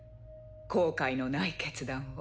後悔のない決断を。